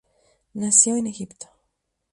Nació en Egipto.